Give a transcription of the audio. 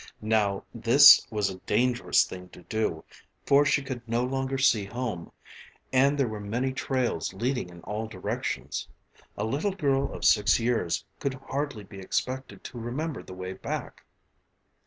Now this was a dangerous thing to do, for she could no longer see home, and there were many trails leading in all directions. A little girl of six years could hardly be expected to remember the way back.